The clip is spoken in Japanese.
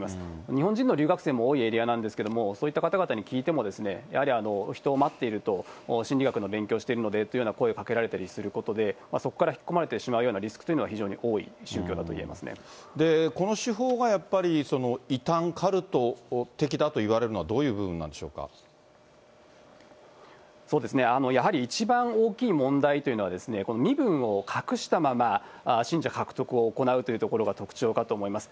日本人の留学生も多いエリアなんですけれども、そういった方々に聞いても、やはり、人を待っていると、心理学の勉強をしているのでと声をかけられたりすることで、そこから引き込まれてしまうというリスクというのは非常に多い宗この手法がやっぱり、異端カルト的だといわれるのは、そうですね、やはり一番大きい問題というのは、身分を隠したまま信者獲得を行うというところが特徴かと思います。